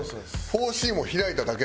フォーシームを開いただけ？